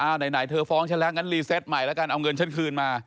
ไหนเธอฟ้องฉันแล้วงั้นรีเซตใหม่แล้วกันเอาเงินฉันคืนมา